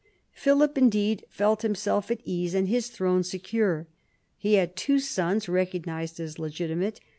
Philip indeed felt himself at ease and his throne secure. He had two sons recognised as legitimate.